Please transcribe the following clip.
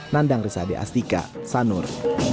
nandang rizadeh astika sanur